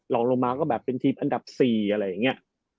รองลงมาก็แบบเป็นทีมอันดับ๔อะไรอย่างนี้